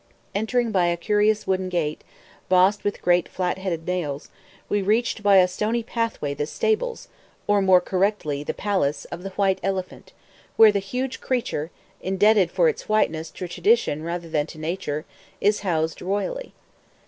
Entering by a curious wooden gate, bossed with great flat headed nails, we reached by a stony pathway the stables (or, more correctly, the palace) of the White Elephant, where the huge creature indebted for its "whiteness" to tradition rather than to nature is housed royally.